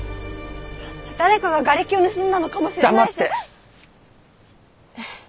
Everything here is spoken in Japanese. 誰かが瓦礫を盗んだのかもしれないし。